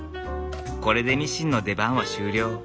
これでミシンの出番は終了。